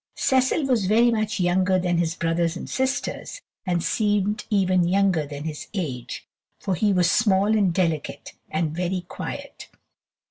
Cecil was very much younger than his brothers and sisters, and seemed even younger than his age, for he was small and delicate, and very quiet.